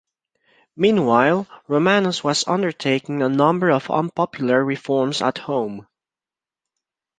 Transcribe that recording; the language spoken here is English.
Meanwhile, Romanos was undertaking a number of unpopular reforms at home.